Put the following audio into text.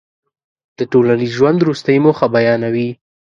د ټولنیز ژوند وروستۍ موخه بیانوي.